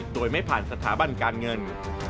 โดยไม่ผ่านสถาบันการเงิน